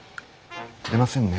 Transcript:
出ませんね。